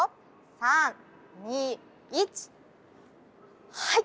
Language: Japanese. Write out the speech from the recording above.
３２１はい。